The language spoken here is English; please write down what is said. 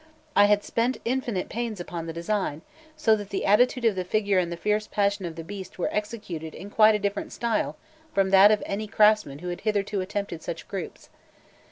I had spent infinite pains upon the design, so that the attitude of the figure and the fierce passion of the beast were executed in quite a different style from that of any craftsman who had hitherto attempted such groups.